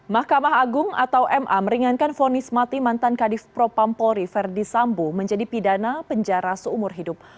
mahkamah agung atau ma meringankan vonis mati mantan kadif propam polri verdi sambo menjadi pidana penjara seumur hidup